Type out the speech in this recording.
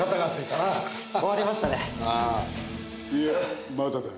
いやまだだ。